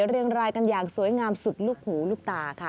เรียงรายกันอย่างสวยงามสุดลูกหูลูกตาค่ะ